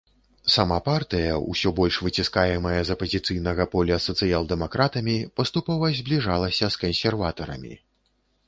Сама партыя, усё больш выціскаемая з апазіцыйнага поля сацыял-дэмакратамі, паступова збліжалася з кансерватарамі.